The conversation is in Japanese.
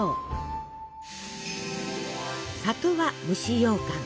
「里」は蒸しようかん。